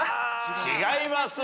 違います。